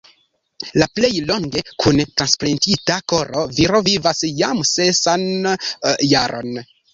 La plej longe kun transplantita koro viro vivas jam sesan jaron.